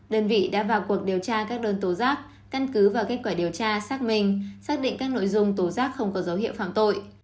đơn vị đã vào cuộc điều tra các đơn tố giác căn cứ vào kết quả điều tra xác minh xác định các nội dung tố giác không có dấu hiệu phạm tội